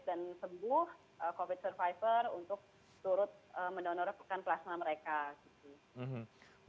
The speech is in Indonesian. dan sembuh covid sembilan belas survivor untuk menonorkan plasma mereka